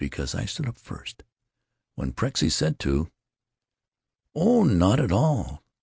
Because I stood up first? When Prexy said to?" "Oh, not at all.